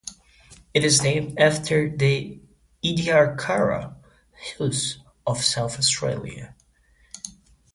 It is named after the Ediacara Hills of South Australia.